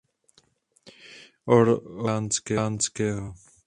Orleánského.